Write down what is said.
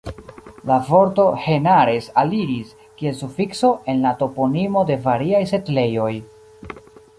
La vorto "henares" aliris, kiel sufikso, en la toponimo de variaj setlejoj.